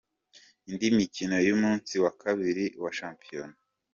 Indi mikino y’umunsi wa kabiri wa shampiyona